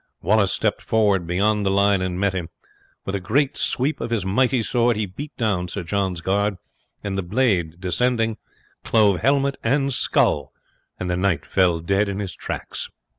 Wallace stepped forward beyond the line and met him. With a great sweep of his mighty sword he beat down Sir John's guard, and the blade descending clove helmet and skull, and the knight fell dead in his tracks.